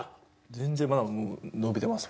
全然まだ伸びてます